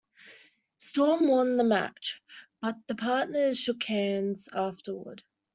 Storm won the match, but the partners shook hands afterward.